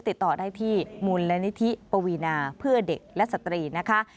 ติดต่อได้ที่มูลนิธิปวีนาเพื่อเด็กและสตรีนะคะ